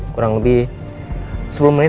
kurang lebih sepuluh menit saya sampe sana pak